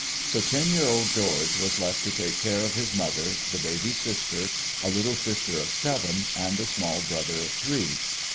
So ten year old George was left to take care of his mother, the baby sister, a little sister of seven, and a small brother of three.